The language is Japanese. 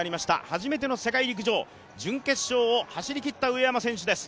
初めての世界陸上、準決勝を走りきった上山選手です。